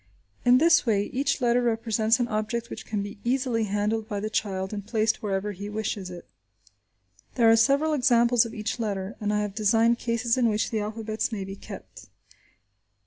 In this way each letter represents an object which can be easily handled by the child and placed wherever he wishes it. There are several examples of each letter, and I have designed cases in which the alphabets may be kept.